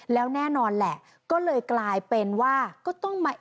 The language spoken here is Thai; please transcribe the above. แล้วแน่นอนแหละก็เลยกลายเป็นว่าก็ต้องมา